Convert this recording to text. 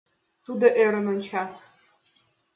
Тудо ӧрын онча.